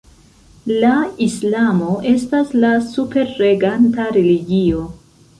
La islamo estas la superreganta religio.